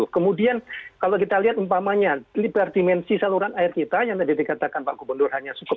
kemudian kalau kita lihat umpamanya libertimensi saluran air kita yang tadi dikatakan pak gubernur hanya cukup